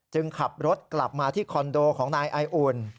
ขับรถกลับมาที่คอนโดของนายไออุ่น